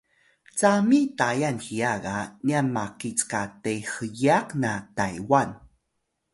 cami Tayal hiya ga nyan maki cka te hiyaq na Taywan